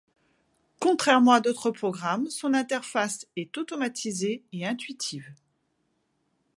Contrairement à d'autre programmes son interface est automatisée et intuitive.